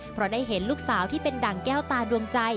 เพราะได้เห็นลูกสาวที่เป็นดั่งแก้วตาดวงใจ